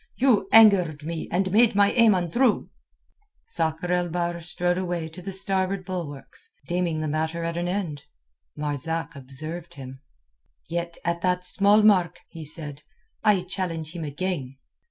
"You angered me and made my aim untrue." Sakr el Bahr strode away to the starboard bulwarks, deeming the matter at an end. Marzak observed him. "Yet at that small mark," he said, "I challenge him again."